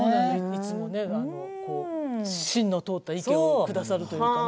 いつも芯の通った意見をくださるというか。